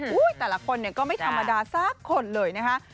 อุ๊ยแต่ละคนก็ไม่ธรรมดาสักคนเลยนะคะ